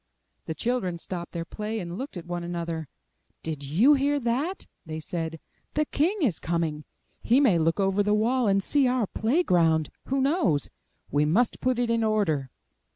*' The children stopped their play, and looked at one another. Did you hear that?'' they said. 'The King is coming. He may look over the wall and see our play ground; who knows? We must put it in order."